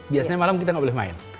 biasanya malam kita nggak boleh main